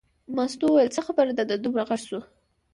مستو وویل څه خبره ده دومره غږ شو.